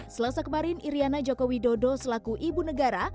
selasa kemarin iryana jokowi dodo selaku ibu negara